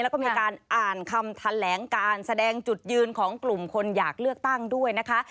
แล้วก็มีการอ่านคำแถลงการแสดงจุดยืนของกลุ่มคนอยากเลือกตั้งด้วยนะคะ